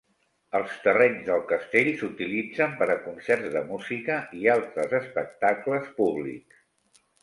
Els terrenys del castell s'utilitzen per a concerts de música i altres espectacles públics.